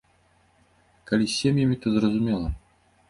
Калі з сем'ямі, то зразумела.